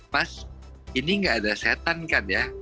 mas ini nggak ada setan kan ya